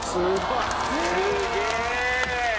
すげえ！